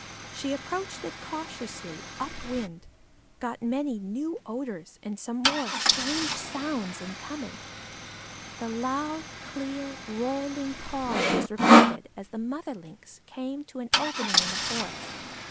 She approached it cautiously, up wind, got many new odors and some more strange sounds in coming. The loud, clear, rolling call was repeated as the mother Lynx came to an opening in the forest.